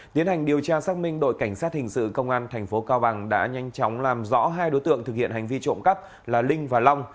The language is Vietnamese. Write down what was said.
tiến hành điều tra xác minh đội cảnh sát hình sự công an tp cao bằng đã nhanh chóng làm rõ hai đối tượng thực hiện hành vi trộm cắp là linh và long